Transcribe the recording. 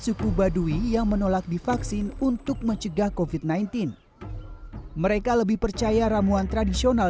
suku baduy yang menolak divaksin untuk mencegah kofit sembilan belas mereka lebih percaya ramuan tradisional